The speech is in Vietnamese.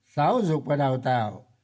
giáo dục và đào tạo